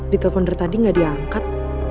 di teleponder tadi gak diangkat